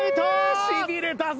しびれたぜ。